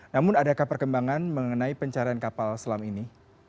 namun adakah perkembangan mengenai pencarian kapal selam ini